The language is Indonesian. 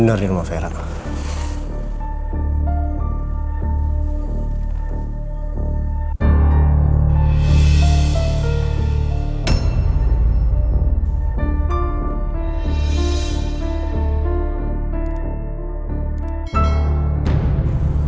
bener di rumah verak